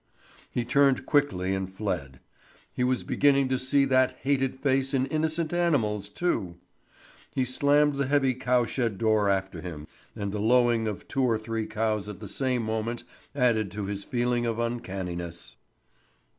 He turned quickly and fled. He was beginning to see that hated face in innocent animals too. He slammed the heavy cow shed door after him, and the lowing of two or three cows at the same moment added to his feeling of uncanniness.